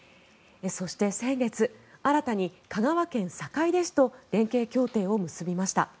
そして、先月新たに香川県坂出市と連携協定を結びました。